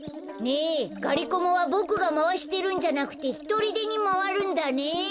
ねえがりコマはボクがまわしてるんじゃなくてひとりでにまわるんだね。